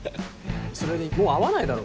それにもう会わないだろ。